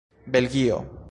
belgio